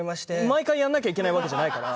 毎回やんなきゃいけないわけじゃないから。